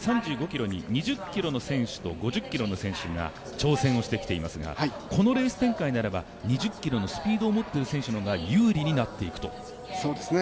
３５ｋｍに２０ｋｍの選手と５０ｋｍの選手が挑戦してきてますがこのレース展開ならば２０ｋｍのスピードを持っている選手の方が有利になっていくということですね。